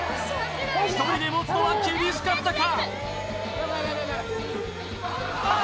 １人で持つのは厳しかったかああ